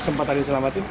sempat tadi diselamatin